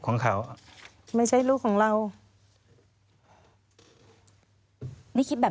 ควิทยาลัยเชียร์สวัสดีครับ